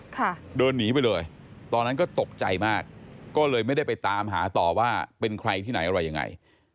ค่ะเดินหนีไปเลยตอนนั้นก็ตกใจมากก็เลยไม่ได้ไปตามหาต่อว่าเป็นใครที่ไหนอะไรยังไง